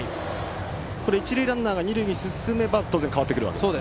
一塁ランナーが二塁に進めば当然変わってくるわけですね。